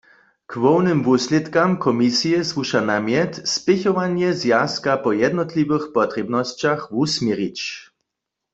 K hłownym wuslědkam komisije słuša namjet, spěchowanje zwjazka po jednotliwych potrěbnosćach wusměrić.